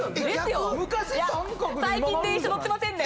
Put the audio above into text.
最近電車乗ってませんね？